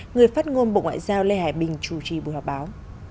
người phát ngôn bộ ngoại giao lê hải bình chủ trì buổi họp báo